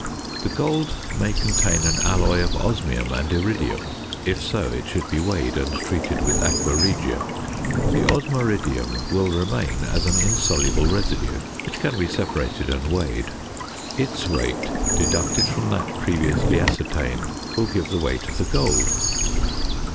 The gold may contain an alloy of osmium and iridium; if so, it should be weighed and treated with aqua regia. The osmiridium will remain as an insoluble residue, which can be separated and weighed. Its weight deducted from that previously ascertained will give the weight of the gold.